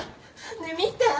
ねえ見て！